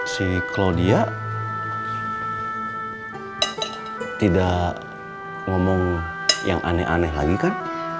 si claudia tidak ngomong yang aneh aneh lagi kan